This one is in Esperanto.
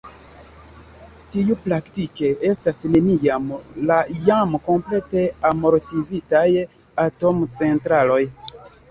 Tiu praktike estas neniam la jam komplete amortizitaj atomcentraloj.